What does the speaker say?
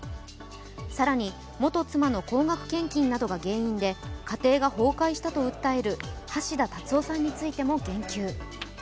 更に、元妻の高額献金などが原因で家庭が崩壊したと訴える橋田達夫さんについても言及。